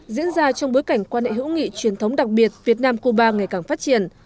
diễn ra trong bối cảnh quan hệ hữu nghị truyền thống đặc biệt việt nam cuba ngày càng phát triển